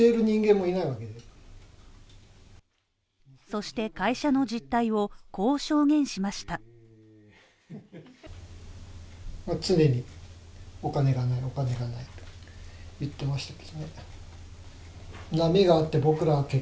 そして会社の実態をこう証言しました。